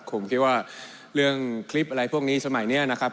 ผมคิดว่าเรื่องคลิปอะไรพวกนี้สมัยนี้นะครับ